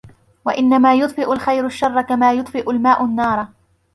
وَإِنَّمَا يُطْفِئُ الْخَيْرُ الشَّرَّ كَمَا يُطْفِئُ الْمَاءُ النَّارَ